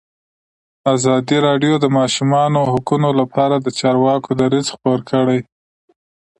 ازادي راډیو د د ماشومانو حقونه لپاره د چارواکو دریځ خپور کړی.